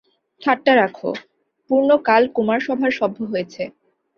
ঠাট্টা রাখো, পূর্ণ কাল কুমারসভার সভ্য হয়েছে।